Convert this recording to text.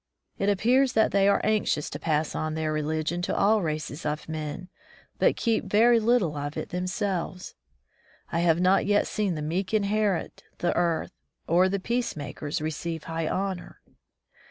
It appears that they are anxious to pass on their religion to all races of men, but keep very little of it themselves. I have 193 From the Deep Woods to Civilization not yet seen the meek inherit the earth, or the peacemakers receive high honor.